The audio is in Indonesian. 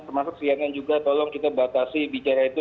saya ingin juga tolong kita batasi bicara itu